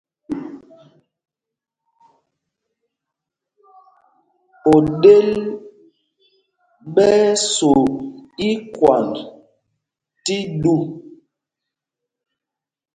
Oɗel ɓɛ́ ɛ́ so ikwand tí ɗu.